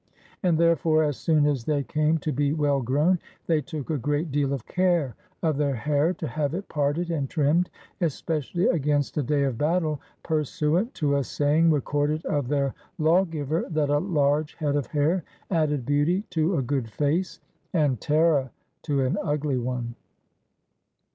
And therefore, as soon as they came to be well grown, they took a great deal of care of their hair, to have it parted and trimmed, especially against a day of battle, pursuant to a saying recorded of their lawgiver, that a large head of hair added beauty to a good face, and terror to an ugly one.